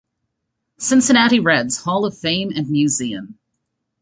Cincinnati Reds Hall of Fame and Museum.